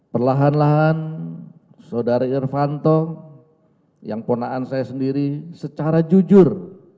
perlahan lahan saudara irvanto yang ponaan saya sendiri secara jujur